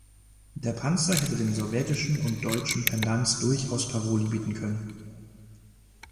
Der Panzer hätte den sowjetischen und deutschen Pendants durchaus Paroli bieten können.